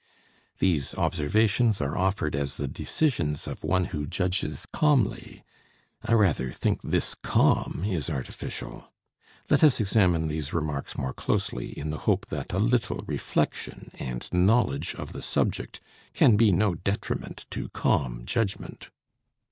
These observations are offered as the decisions of "one who judges calmly." I rather think this calm is "artificial." Let us examine these remarks more closely in the hope that a little reflection and knowledge of the subject can be no detriment to calm judgment.